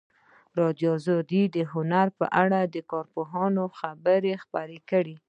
ازادي راډیو د هنر په اړه د کارپوهانو خبرې خپرې کړي.